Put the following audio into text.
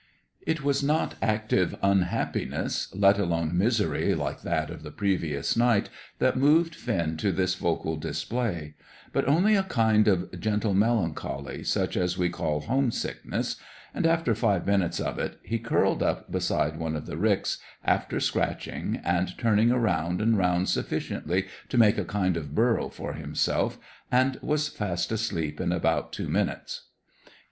It was not active unhappiness, let alone misery like that of the previous night, that moved Finn to this vocal display; but only a kind of gentle melancholy such as we call home sickness, and after five minutes of it, he curled up beside one of the ricks, after scratching and turning round and round sufficiently to make a kind of burrow for himself, and was fast asleep in about two minutes.